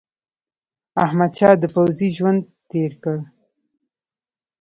احمدشاه د پوځي ژوند تېر کړ.